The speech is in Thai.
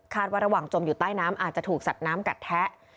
ว่าระหว่างจมอยู่ใต้น้ำอาจจะถูกสัตว์น้ำกัดแทะ